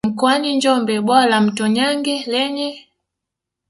mkoani Njombe Bwawa la Mto Nyange lenye